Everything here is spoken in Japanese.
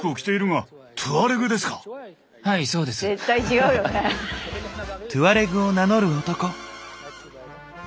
トゥアレグを名乗る男。